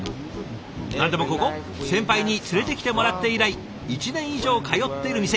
何でもここ先輩に連れてきてもらって以来１年以上通っている店。